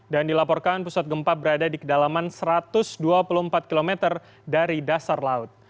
dan dilaporkan pusat gempa berada di kedalaman satu ratus dua puluh empat km dari dasar laut